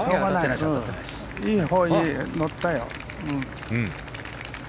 いいほうに乗ったよ。